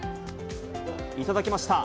頂きました。